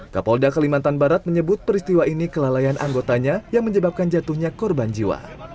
kapolda kalimantan barat menyebut peristiwa ini kelalaian anggotanya yang menyebabkan jatuhnya korban jiwa